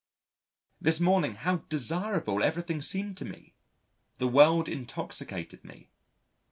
This morning how desirable everything seemed to me! The world intoxicated me.